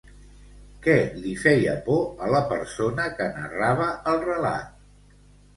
Què li feia por a la persona que narrava el relat?